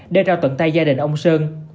để rao tận tai gia đình ông sơn